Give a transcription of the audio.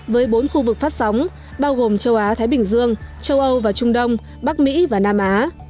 với bốn khu vực phát sóng bao gồm châu á thái bình dương châu âu và trung đông bắc mỹ và nam á